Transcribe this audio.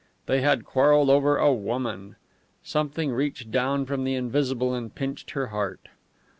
They had quarrelled over a woman! Something reached down from the invisible and pinched her heart.